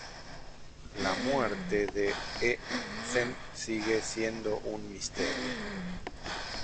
La muerte de He Zhen sigue siendo un misterio.